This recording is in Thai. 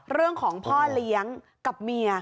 เรื่องของพ่อเลี้ยงกับเมีย